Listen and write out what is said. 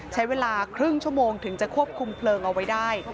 ใช้เวลาครึ่งชั่วโมงถึงจะควบคุมเพลิงเอาไว้ได้